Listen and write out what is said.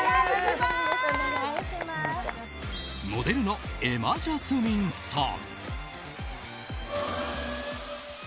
モデルの瑛茉ジャスミンさん。